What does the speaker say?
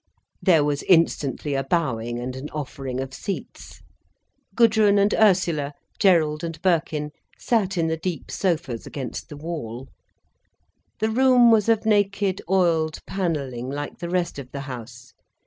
There was instantly a bowing and an offering of seats. Gudrun and Ursula, Gerald and Birkin sat in the deep sofas against the wall. The room was of naked oiled panelling, like the rest of the house.